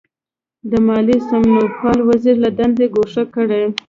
د مالیې سمونپال وزیر له دندې ګوښه کړي.